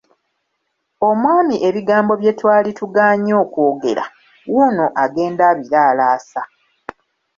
Omwami ebigambo bye twali tugaanyi okwogera, wuuno agenda abiraalaasa!